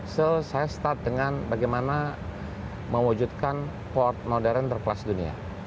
so saya start dengan bagaimana mewujudkan port modern terkelas dunia